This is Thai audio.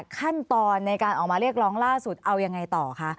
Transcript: ขั้นตอนในการออกมาเรียกร้องล่าสุดเอายังไงต่อคะ